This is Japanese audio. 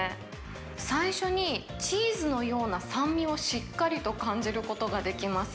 最初にチーズのような酸味をしっかりと感じることができます。